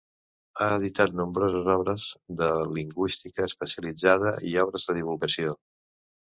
Ha editat nombroses obres de lingüística especialitzada i obres de divulgació.